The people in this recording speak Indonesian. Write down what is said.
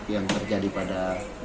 yang terjadi pada